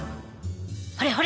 ほれほれ！